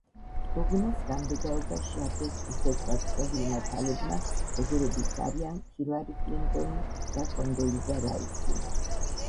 გოგონას გამბედაობა შეაქეს ისეთმა ცნობილმა ქალებმა, როგორებიც არიან ჰილარი კლინტონი და კონდოლიზა რაისი.